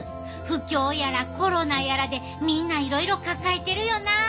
不況やらコロナやらでみんないろいろ抱えてるよなあ！